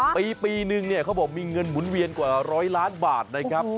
ปีนึงมีเงินหมุนเวียนกว่า๑๐๐ล้านบาทนะครับ